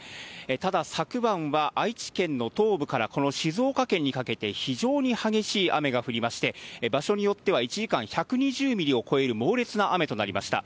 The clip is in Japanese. ただ、昨晩は愛知県の東部からこの静岡県にかけて、非常に激しい雨が降りまして、場所によっては１時間に１２０ミリを超える猛烈な雨となりました。